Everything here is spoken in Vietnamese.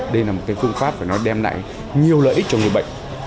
đây là một phương pháp phải đem lại nhiều lợi ích cho người bệnh